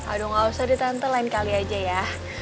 aduh gak usah deh tante lain kali aja ya